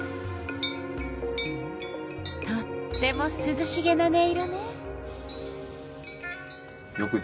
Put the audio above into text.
とってもすずしげな音色ね。